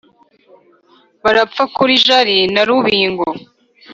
barapfa kuri jari na rubingo